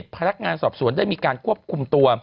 พนักงานสอบสวนได้มีการควบคุมตัว